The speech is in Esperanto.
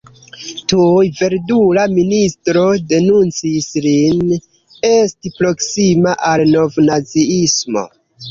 Tuj verdula ministro denuncis lin, esti proksima al novnaziismo.